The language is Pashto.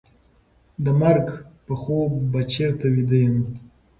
د مرګ په خوب به چېرته ویده یم